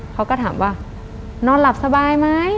เขาก็ถามว่านอนหลับสบายไหม